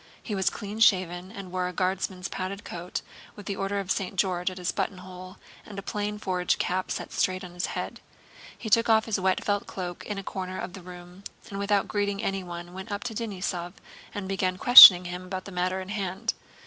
He was clean shaven and wore a Guardsman's padded coat with an Order of St. George at his buttonhole and a plain forage cap set straight on his head. He took off his wet felt cloak in a corner of the room, and without greeting anyone went up to Denísov and began questioning him about the matter in hand.